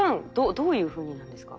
どどういうふうになんですか？